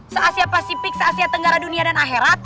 se asia pasifik se asia tenggara dunia dan akhirat